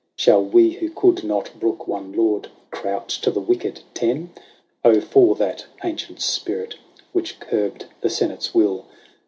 Shall we, who could not brook one lord, crouch to the wicked Ten ? Oh for that ancient spirit which curbed the Senate's will